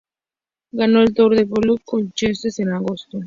Ganó el Tour de Poitou-Charentes en agosto.